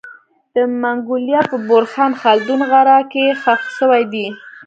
د منګولیا په بورخان خلدون غره کي خښ سوی دی